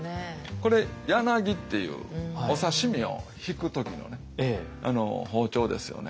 これ柳っていうお刺身をひく時の包丁ですよね。